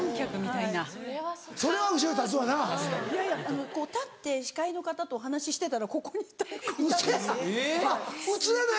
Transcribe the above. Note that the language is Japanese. いやいや立って司会の方とお話ししてたらここにいたんですよ。